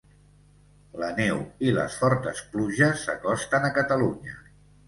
La neu i les fortes pluges s'acosten a Catalunya